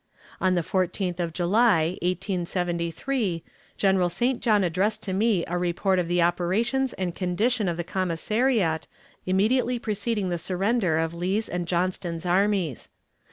On the 14th of July, 1873, General St. John addressed to me a report of the operations and condition of the commissariat immediately preceding the surrender of Lee's and Johnston's armies.